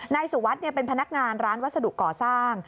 นายสุวัสดิ์เป็นพนักงานร้านวัสดุก่อสร้าง